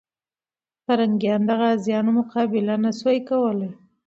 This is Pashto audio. پرنګیان د غازيانو مقابله نه سوه کولای.